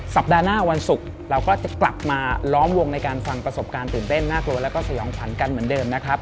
สัปดาห์หน้าวันศุกร์เราก็จะกลับมาล้อมวงในการฟังประสบการณ์ตื่นเต้นน่ากลัวแล้วก็สยองขวัญกันเหมือนเดิมนะครับ